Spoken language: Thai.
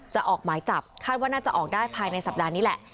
ออกหมายจับคาดว่าน่าจะออกได้ภายในสัปดาห์นี้แหละ